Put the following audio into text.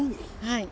はい。